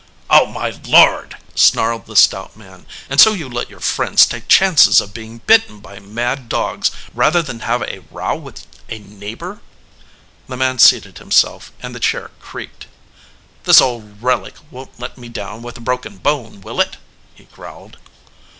"Oh, my Lord !" snarled the stout man. "And so you let your friends take chances of being bitten by mad dogs rather than have a row with a neigh bor!" The man seated himself and the chair creaked. "This old relic won t let me down with a broken bone, will it?" he growled.